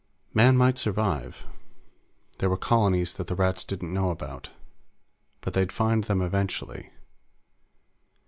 Man might survive. There were colonies that the Rats didn't know about. But they'd find them eventually.